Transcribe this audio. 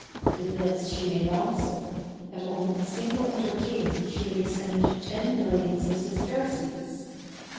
To this she made answer, that on a single entertainment she would expend ten millions of sesterces.